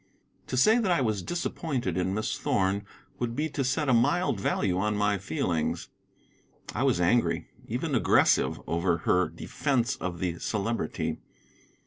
To say that I was disappointed in Miss Thorn would be to set a mild value on my feelings. I was angry, even aggressive, over her defence of the Celebrity.